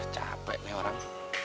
capek nih orang